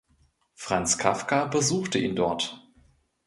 Franz Kafka besuchte ihn dort.